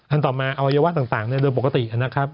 ต่อมาอวัยวะต่างโดยปกตินะครับ